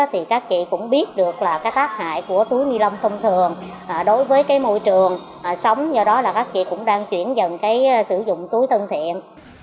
thì các chị cũng biết được là cái tác hại của túi ni lông thông thường đối với cái môi trường sống do đó là các chị cũng đang chuyển dần cái sử dụng túi thân thiện